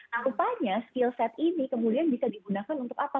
nah rupanya skill set ini kemudian bisa digunakan untuk apa